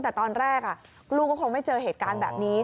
แต่ตอนแรกลูกก็คงไม่เจอเหตุการณ์แบบนี้